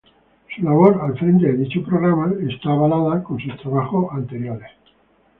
Su labor al frente de dicho programa está avalada con sus trabajos anteriores.